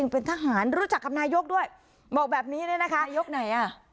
เป็นทหารรู้จักกับนายกด้วยบอกแบบนี้เนี่ยนะคะนายกไหนอ่ะ